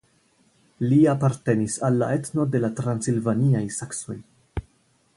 Li apartenis al la etno de la transilvaniaj saksoj.